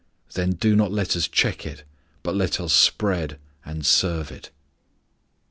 Then do not let us check it, but let us spread and serve it.